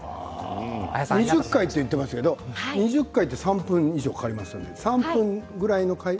２０回と言ってますけど２０回って３分以上かかりますよね。